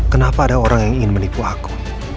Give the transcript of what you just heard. kenapa ada orang yang ingin menipu aku